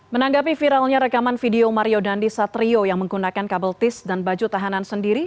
menanggapi viralnya rekaman video mario dandi satrio yang menggunakan kabel tis dan baju tahanan sendiri